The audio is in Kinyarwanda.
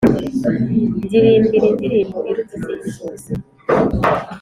Ndirimbira indirimbo iruta izindi zose